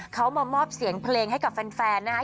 เขามามอบเสียงเพลงให้กับแฟนนะคะ